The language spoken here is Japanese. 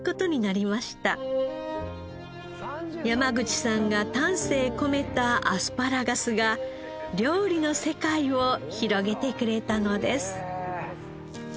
山口さんが丹精込めたアスパラガスが料理の世界を広げてくれたのです。